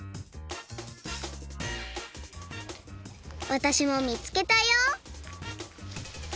わたしも見つけたよ！